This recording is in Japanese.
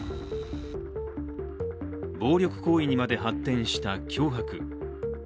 暴力行為にまで発展した脅迫。